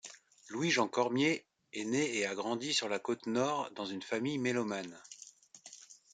Louis-Jean Cormier est né et a grandi sur la Côte-Nord dans une famille mélomane.